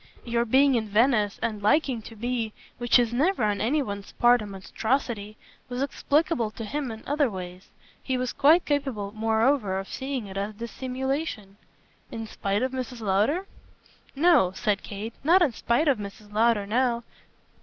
"Your being in Venice and liking to be which is never on any one's part a monstrosity was explicable for him in other ways. He was quite capable moreover of seeing it as dissimulation." "In spite of Mrs. Lowder?" "No," said Kate, "not in spite of Mrs. Lowder now.